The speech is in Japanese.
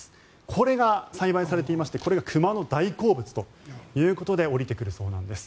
これが栽培されていましてこれ熊の大好物ということで下りてくるそうなんです。